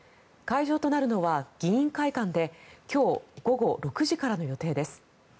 会場となるのは議員会館で今日午後６時からの予定です。